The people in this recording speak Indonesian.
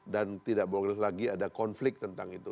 dan tidak boleh lagi ada konflik tentang itu